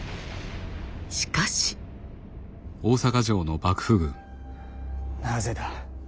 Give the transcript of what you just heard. しかし。なぜだ？